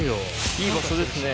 いい場所ですね。